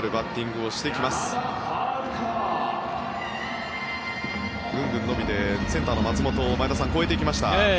グングン伸びてセンターの松本を前田さん、越えていきました。